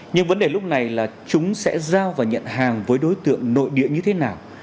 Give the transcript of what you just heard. nhưng vấn đề lúc này là chúng sẽ giao và nhận hàng với đối tượng nội địa như thế nào